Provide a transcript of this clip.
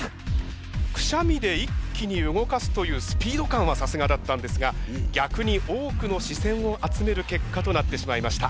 くしゃみで一気に動かすというスピード感はさすがだったんですが逆に多くの視線を集める結果となってしまいました。